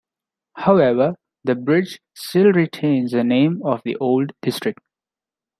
However, the bridge still retains the name of the old district.